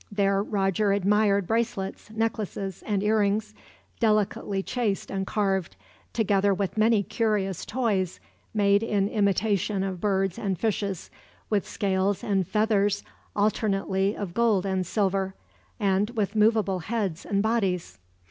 There Roger admired bracelets, necklaces and earrings, delicately chased and carved, together with many curious toys made in imitation of birds and fishes, with scales and feathers alternately of gold and silver, and with movable heads and bodies.